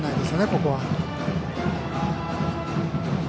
ここは。